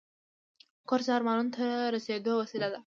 کورس د ارمانونو ته رسیدو وسیله ده.